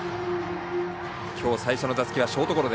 今日、最初の打席はショートゴロ。